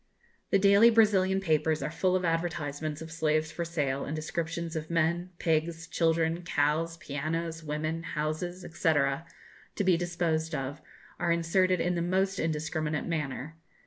The daily Brazilian papers are full of advertisements of slaves for sale, and descriptions of men, pigs, children, cows, pianos, women, houses, &c., to be disposed of, are inserted in the most indiscriminate manner.